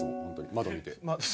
窓見て。